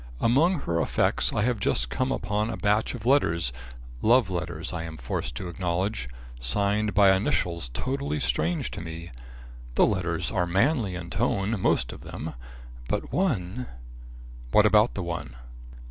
Among her effects I have just come upon a batch of letters love letters I am forced to acknowledge signed by initials totally strange to me. The letters are manly in tone most of them but one " "What about the one?"